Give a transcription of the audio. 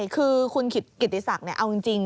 คือคุณกิติศักดิ์เอาจริง